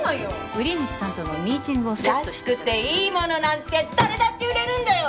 売り主さんとのミーティングをセットして安くていいものなんて誰だって売れるんだよ！